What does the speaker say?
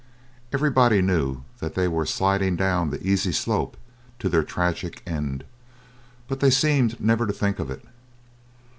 Everybody knew that they were sliding down the easy slope to their tragic end, but they seemed never to think of it.